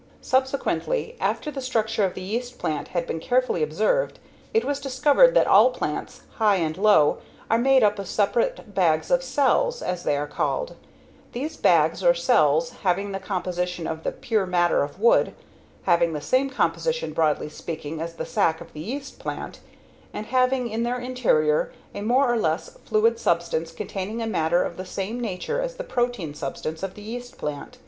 Subsequently, after the structure of the yeast plant had been carefully observed, it was discovered that all plants, high and low, are made up of separate bags or "cells," as they are called; these bags or cells having the composition of the pure matter of wood; having the same composition, broadly speaking, as the sac of the yeast plant, and having in their interior a more or less fluid substance containing a matter of the same nature as the protein substance of the yeast plant.